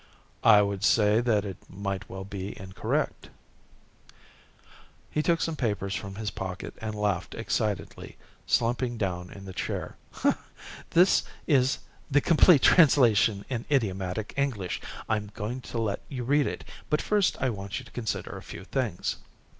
"I would say that it might well be incorrect." He took some papers from his pocket and laughed excitedly, slumping down in the chair. "This is the complete translation in idiomatic English. I'm going to let you read it, but first I want you to consider a few things."